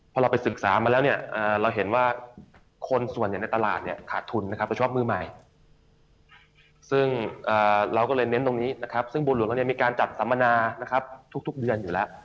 พอเราไปศึกษามาแล้วเนี่ยเราเห็นว่าคนส่วนใหญ่ในตลาดเนี่ยขาดทุนนะครับเราชอบมือใหม่ซึ่งเราก็เลยเน้นตรงนี้นะครับซึ่งบัวหลวงเราเนี่ยมีการจัดสัมมนานะครับทุกเดือนอยู่แล้ว